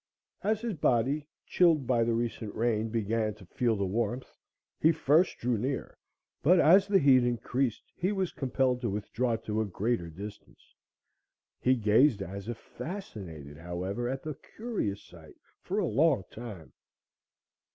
As his body, chilled by the recent rain, began to feel the warmth, he first drew near, but as the heat increased, he was compelled to withdraw to a greater distance. He gazed as if fascinated, however, at the curious sight for a long time.